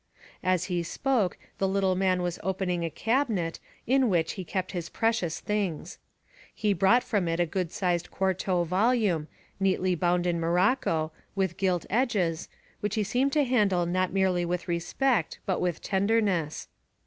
As he spoke, the little man was opening a cabinet in which he kept his precious things. He brought from it a good sized quarto volume, neatly bound in morocco, with gilt edges, which he seemed to handle not merely with respect but with tenderness.